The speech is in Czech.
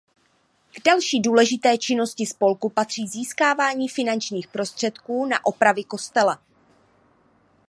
K další důležité činnosti spolku patří získávání finančních prostředků na opravy kostela.